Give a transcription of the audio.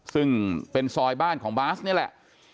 ซึ่งเป็นซอยบ้านของบาสนี่แหละ